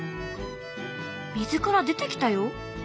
水から出てきたよ。